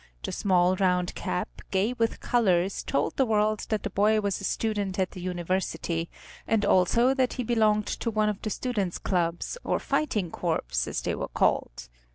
The small round cap, gay with colors, told the world that the boy was a student at the University, and also that he belonged to one of the students' clubs, or fighting corps, as they were called.